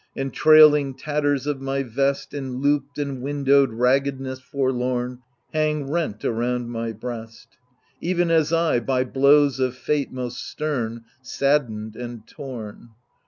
And trailing tatters of my vest, In looped and windowed raggedness forlorn. Hang rent around my breast, Even as I, by blows of Fate most stern Saddened and torn.